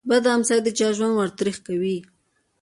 بد همسایه د چا ژوند ور تريخ کوي.